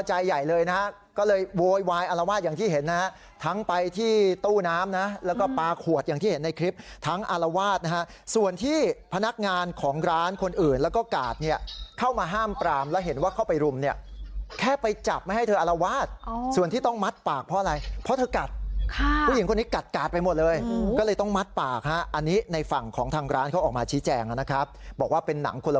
อารวาสอย่างที่เห็นนะฮะทั้งไปที่ตู้น้ำนะแล้วก็ปลาขวดอย่างที่เห็นในคลิปทั้งอารวาสนะฮะส่วนที่พนักงานของร้านคนอื่นแล้วก็กาดเนี่ยเข้ามาห้ามปรามแล้วเห็นว่าเข้าไปรุมเนี่ยแค่ไปจับไม่ให้เธออารวาสส่วนที่ต้องมัดปากเพราะอะไรเพราะเธอกัดผู้หญิงคนนี้กัดไปหมดเลยก็เลยต้องมัดปากฮะอันนี้ในฝั่งของทางร้